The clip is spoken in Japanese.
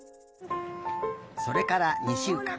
それから２しゅうかん。